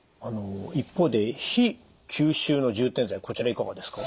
一方で非吸収の充填剤こちらいかがですか？